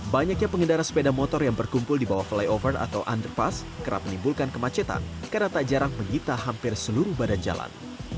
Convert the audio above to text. banyaknya pengendara sepeda motor yang berkumpul di bawah flyover atau underpass kerap menimbulkan kemacetan karena tak jarang menyita hampir seluruh badan jalan